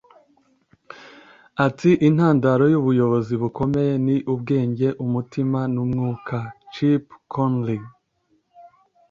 ati intandaro y'ubuyobozi bukomeye ni ubwenge, umutima, n'umwuka. - chip conley